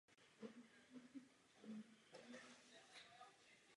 Italská agrese proti civilnímu obyvatelstvu na Korfu měla také dopad v kulturní rovině.